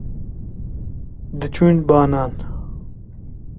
diçûn banan